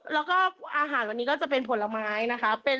แล้วก็อาหารวันนี้ก็จะเป็นผลไม้นะคะ